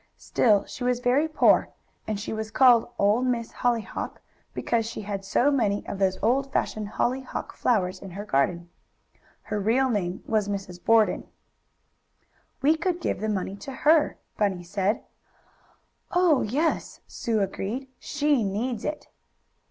Still she was very poor, and she was called "Old Miss Hollyhock," because she had so many of those old fashioned hollyhock flowers in her garden. Her real name was Mrs. Borden. "We could give the money to her," Bunny said. "Oh, yes!" Sue agreed. "She needs it."